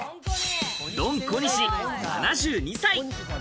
ドン小西、７２歳。